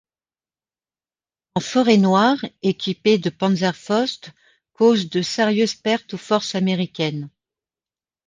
En Forêt-Noire, équipés de Panzerfaust causent de sérieuses pertes aux forces américaines.